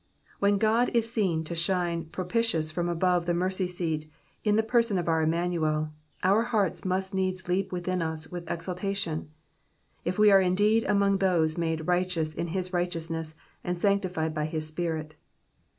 When God is seen to shine propitious frojp above the mercy seat in the |>crson of our Immanuel, our hearts must needs leap within us with exultation, if we are indeed among those made righteous in his righteousness, and sanctified by his Spirit.